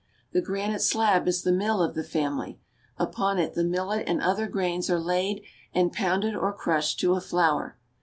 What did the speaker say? The granite slab is the mill of the family ; upon it the millet and other grains are laid and ■ pounded or crushed to a flour.